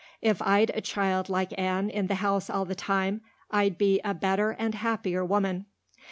If I'd a child like Anne in the house all the time I'd be a better and happier woman."